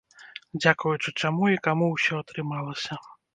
Дзякуючы чаму і каму ўсё атрымалася?